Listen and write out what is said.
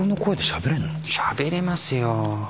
しゃべれますよ